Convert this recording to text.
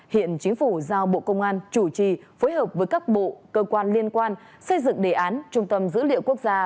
hiện chính phủ giao bộ công an chủ trì phối hợp với các bộ cơ quan liên quan xây dựng đề án trung tâm dữ liệu quốc gia